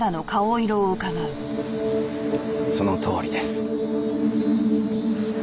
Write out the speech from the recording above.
そのとおりです。